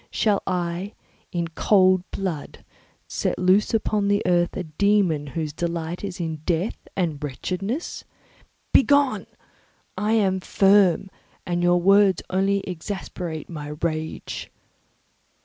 Shall I, in cool blood, set loose upon the earth a dæmon whose delight is in death and wretchedness? Begone! I am firm, and your words will only exasperate my rage."